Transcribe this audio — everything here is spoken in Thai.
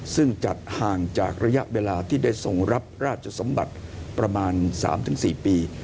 ซึ่งจัดห่างจากระยะเวลาที่ได้ส่งรับราชสมบัติประมาณ๓๔ปี